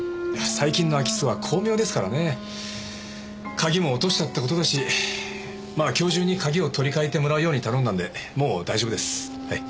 鍵も落としちゃった事だしまあ今日中に鍵を取り替えてもらうように頼んだんでもう大丈夫です。